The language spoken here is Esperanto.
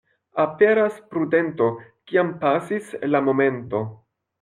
Aperas prudento, kiam pasis la momento.